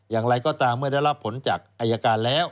อย่างไรก็ตามเมื่อได้รับผลจากอายการแล้ว